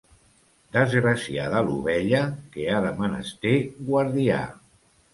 Desgraciada l'ovella que ha de menester guardià.